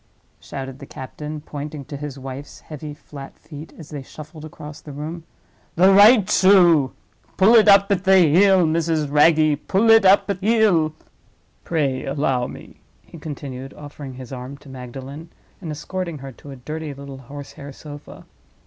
shouted the captain, pointing to his wife's heavy flat feet as they shuffled across the room. "The right shoe. Pull it up at heel, Mrs. Wragge—pull it up at heel! Pray allow me," he continued, offering his arm to Magdalen, and escorting her to a dirty little horse hair sofa.